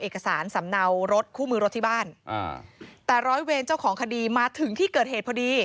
เอกสารสำเนารถคู่มือรถที่บ้านอ่าแต่ร้อยเวรเจ้าของคดีมาถึงที่เกิดเหตุพอดี